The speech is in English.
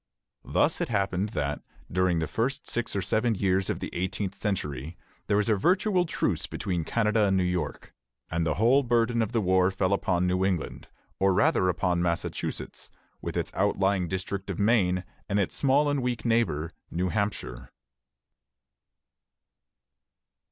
Thus it happened that, during the first six or seven years of the eighteenth century, there was a virtual truce between Canada and New York, and the whole burden of the war fell upon New England, or rather upon Massachusetts, with its outlying district of Maine and its small and weak neighbor, New Hampshire.